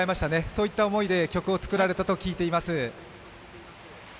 そういった思いで曲を作られたと聞いています。